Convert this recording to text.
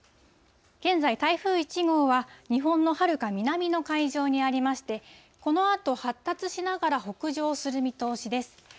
現在、台風１号は、日本のはるか南の海上にありまして、このあと発達しながら北上する見通しです。